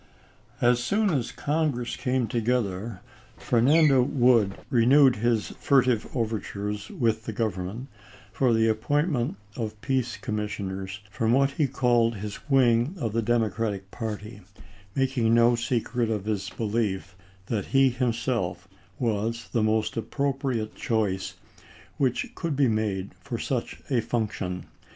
As soon as Congress came together Fernando Wood renewed his furtive overtures with the Government for the appointment of peace com missioners from what he called his wing of the Democratic party, making no secret of his belief that he himself was the most appropriate choice which could be made for such a function.